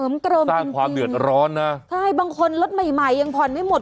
อ๋อมกรมจ้างความเดือดร้อนนะสิบางคนรถใหม่ยังผ่อนไม่หมด